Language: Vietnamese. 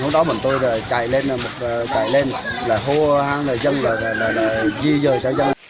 hôm đó bọn tôi là chạy lên là một chạy lên là hô hàng là dân là là là di rời xã dân